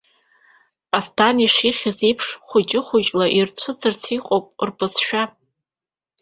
Асҭан ишихьыз еиԥш хәыҷы-хәыҷла ирцәыӡырц иҟоуп рыбызшәа.